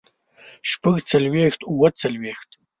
شپږ څلوېښت اووه څلوېښت